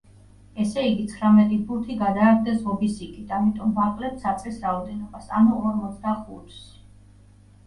ესე იგი, ცხრამეტი ბურთი გადააგდეს ღობის იქით, ამიტომ ვაკლებთ საწყის რაოდენობას ანუ ორმოცდახუთს.